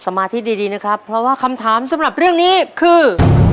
มาที่ดีนะครับเพราะว่าคำถามสำหรับเรื่องนี้คือ